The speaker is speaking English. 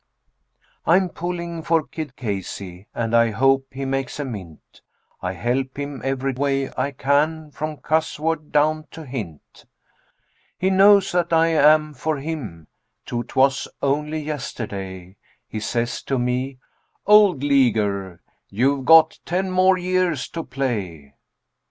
I'm pulling for Kid Casey, and I hope he makes a mint, I help him every way I can, from cussword down to hint; He knows that I am for him, too 'twas only yesterday He says to me, "Old leaguer, you've got ten more years to play."